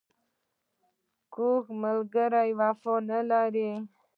کوږ ملګری وفا نه لري